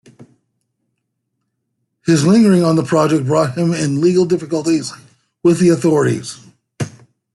His lingering on this project brought him in legal difficulties with the authorities.